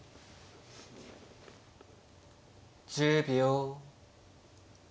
１０秒。